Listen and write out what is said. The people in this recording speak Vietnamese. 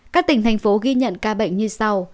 các tỉnh thành phố ghi nhận ca bệnh như sau